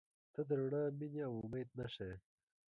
• ته د رڼا، مینې، او امید نښه یې.